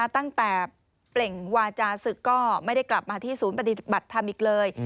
ตั้งแต่เปล่งวาจาศึกก็ไม่ได้กลับมาที่ศูนย์ปฏิบัติธรรมอีกเลย